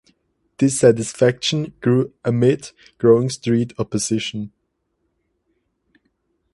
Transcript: Dissatisfaction grew amid growing street opposition.